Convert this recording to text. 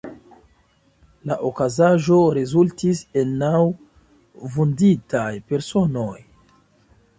La okazaĵo rezultis en naŭ vunditaj personoj.